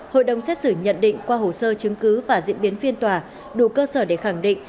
hội đồng xét xử nhận định qua hồ sơ chứng cứ và diễn biến phiên tòa đủ cơ sở để khẳng định